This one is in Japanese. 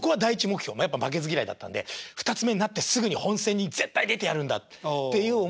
やっぱ負けず嫌いだったんで二ツ目になってすぐに本選に絶対出てやるんだっていう思いで。